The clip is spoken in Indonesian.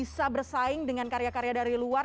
bisa bersaing dengan karya karya dari luar